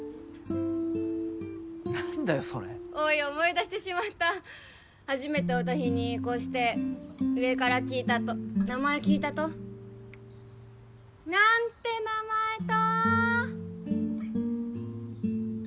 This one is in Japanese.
何だよそれおい思い出してしまった初めて会うた日にこうして上から聞いたと名前聞いたと何て名前と？